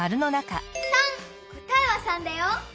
こたえは３だよ。